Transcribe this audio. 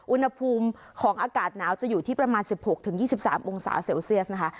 อุณหภูมิของอากาศหนาวจะอยู่ที่ประมาณสิบหกถึงยี่สิบสามองศาเซลเซลเซียสนะคะ